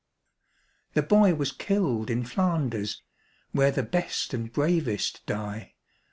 The boy was killed in Flanders, where the best and bravest die.